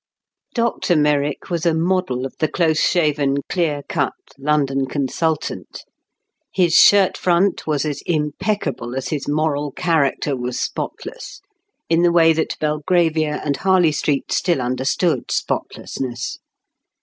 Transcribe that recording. Dr Merrick was a model of the close shaven clear cut London consultant. His shirt front was as impeccable as his moral character was spotless—in the way that Belgravia and Harley Street still understood spotlessness.